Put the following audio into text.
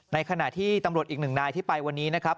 ในขณะที่ตำรวจอีกหนึ่งนายที่ไปวันนี้นะครับ